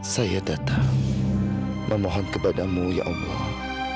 saya datang memohon kepadamu ya allah